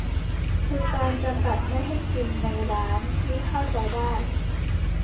คือการจำกัดไม่ให้กินในร้านนี่เข้าใจได้